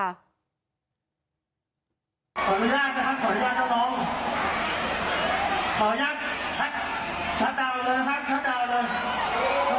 ขออนุญาตนะครับขออนุญาตน้องน้องขออนุญาตชัดชัดดาวน์เลยนะครับ